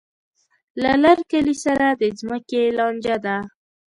له لر کلي سره د ځمکې لانجه ده.